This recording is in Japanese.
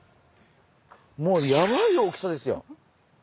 もうやばい大きさですよ。